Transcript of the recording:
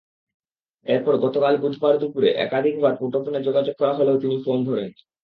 এরপর গতকাল বুধবার দুপুরে একাধিকবার মুঠোফোনে যোগাযোগ করা হলেও তিনি ফোন ধরেননি।